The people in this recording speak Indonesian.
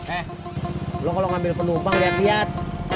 eh lu kalau ngambil penumpang lihat lihat